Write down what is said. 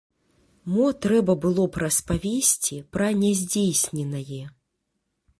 Мо трэба было б распавесці пра няздзейсненае.